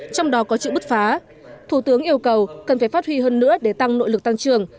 trong đó có chữ bứt phá thủ tướng yêu cầu cần phải phát huy hơn nữa để tăng nội lực tăng trưởng